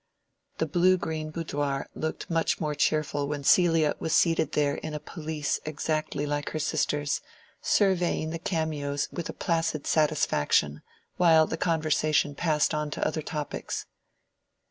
The blue green boudoir looked much more cheerful when Celia was seated there in a pelisse exactly like her sister's, surveying the cameos with a placid satisfaction, while the conversation passed on to other topics.